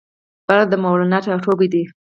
بلخ د مولانا ټاټوبی دی